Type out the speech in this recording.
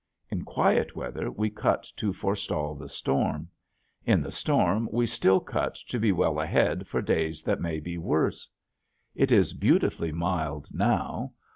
In quiet weather we cut to forestall the storm; in the storm we still cut to be well ahead for days that may be worse. It is beautifully mild now.